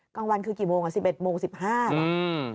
กลางวันคือกี่โมงอ่ะสิบเอ็ดโมงสิบห้าอืม